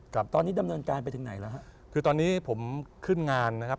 ครับตอนนี้ดำเนินการไปถึงไหนแล้วฮะคือตอนนี้ผมขึ้นงานนะครับ